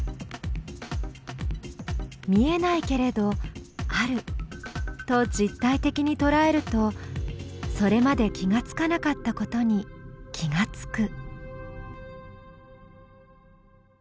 見えないけれどあると実体的にとらえるとそれまで気が付かなかったことに気が付く。